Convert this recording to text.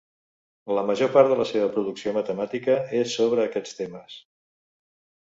La major part de la seva producció matemàtica és sobre aquests temes.